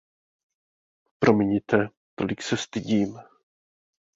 Promiňte, tolik se stydím.